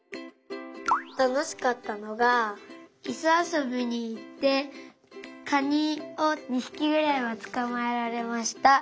たのしかったのがいそあそびにいってカニを２ひきぐらいはつかまえられました。